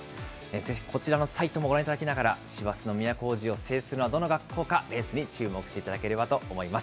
ぜひこちらのサイトもご覧いただきながら、師走の都大路を制するのはどの学校か、レースに注目していただければと思います。